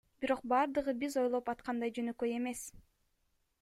Бирок бардыгы биз ойлоп аткандай жөнөкөй эмес.